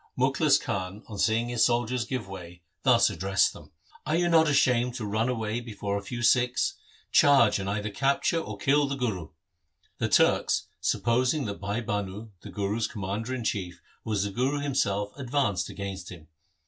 Mukhlis Khan, on seeing his soldiers giving way, thus addressed them, ' Are you not ashamed to run away before a few Sikhs ? Charge, and either cap ture or kill the Guru.' The Turks, supposing that Bhai Bhanu, the Guru's commander in chief, was the Guru himself, advanced against him.